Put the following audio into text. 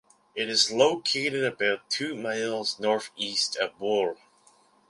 It is located about two miles northeast of Buhl.